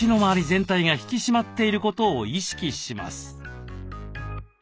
全体が引き締まっていることを意識します。